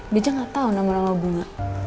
bija gak tau nama nama bunga